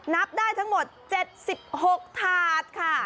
นับได้ทั้งหมด๗๖ถาดค่ะ